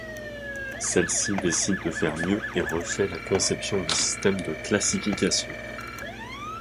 Celle-ci décide de faire mieux et refait la conception du système de classification.